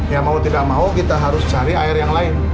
ya mau tidak mau kita harus cari air yang lain